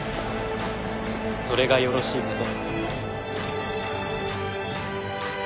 それがよろしいかと。